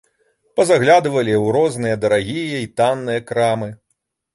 Пазаглядвалі ў розныя дарагія і танныя крамы.